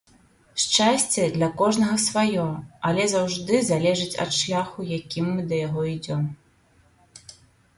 Шчасце для кожнага сваё, але заўжды залежыць ад шляху, якім мы да яго ідзём.